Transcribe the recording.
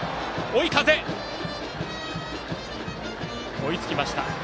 追いつきました。